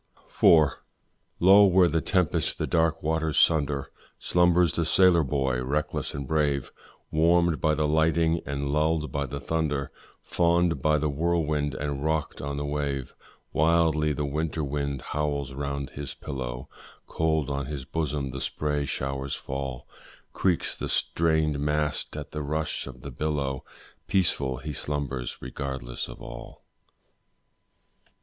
IV. Lo! where the tempest the dark waters sunder Slumbers the sailor boy, reckless and brave, Warm'd by the lighting and lulled by the thunder, Fann'd by the whirlwind and rock'd on the wave; Wildly the winter wind howls round his pillow, Cold on his bosom the spray showers fall; Creaks the strained mast at the rush of the billow, Peaceful he slumbers, regardless of all.